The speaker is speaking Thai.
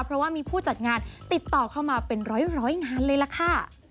เพราะว่ามีผู้จัดงานติดต่อเข้ามาเป็นร้อยงานเลยล่ะค่ะ